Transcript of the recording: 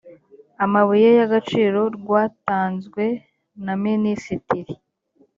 amabuye y agaciro rwatanzwe na minisitiri